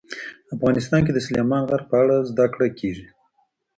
افغانستان کې د سلیمان غر په اړه زده کړه کېږي.